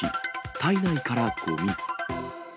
体内からごみ。